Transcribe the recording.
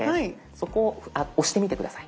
そこを押してみて下さい。